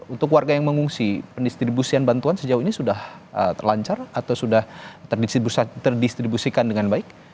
untuk warga yang mengungsi pendistribusian bantuan sejauh ini sudah lancar atau sudah terdistribusikan dengan baik